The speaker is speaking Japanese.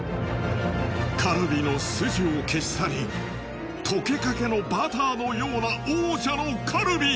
カルビの筋を消し去り溶けかけのバターのような王者のカルビ。